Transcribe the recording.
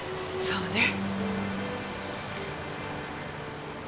そうね。